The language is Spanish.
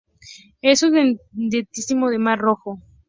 Es un endemismo del Mar Rojo.